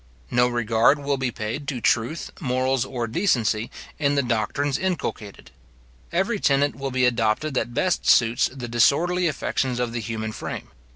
No regard will be paid to truth, morals, or decency, in the doctrines inculcated. Every tenet will be adopted that best suits the disorderly affections of the human frame.